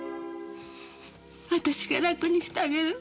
私が楽にしてあげる。